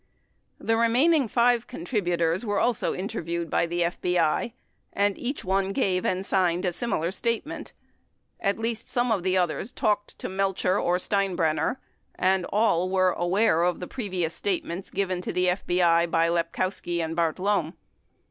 28 The remaining five contributors were also interviewed by the FBI, and each gave and signed a similar statement. At least some of the others talked to Melcher or Steinbrenner, and all were aware of the previous statements given to the FBI by Lepkowski and Bartlome.